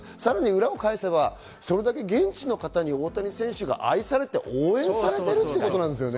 裏を返せば、それだけ現地の方に大谷選手が愛されて応援されているということなんですよね。